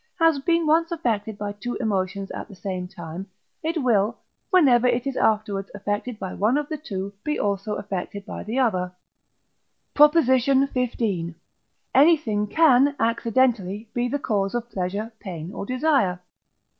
has been once affected by two emotions at the same time, it will, whenever it is afterwards affected by one of the two, be also affected by the other. PROP. XV. Anything can, accidentally, be the cause of pleasure, pain, or desire.